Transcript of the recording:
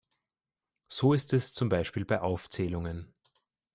So ist es zum Beispiel bei Aufzählungen.